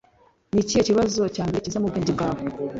Ni ikihe kibazo cya mbere kiza mu bwenge bwawe